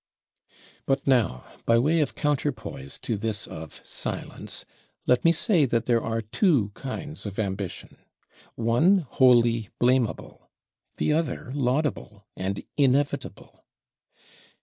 But now, by way of counterpoise to this of Silence, let me say that there are two kinds of ambition: one wholly blamable, the other laudable and inevitable.